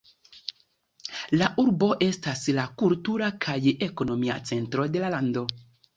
La urbo estas la kultura kaj ekonomia centro de la lando.